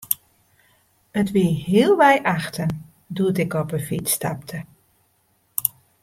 It wie healwei achten doe't ik op 'e fyts stapte.